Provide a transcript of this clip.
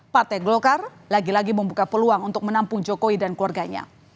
partai golkar lagi lagi membuka peluang untuk menampung jokowi dan keluarganya